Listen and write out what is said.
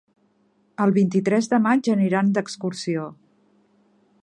El vint-i-tres de maig aniran d'excursió.